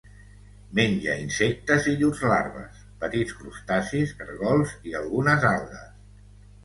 Menja insectes i llurs larves, petits crustacis, caragols i algunes algues.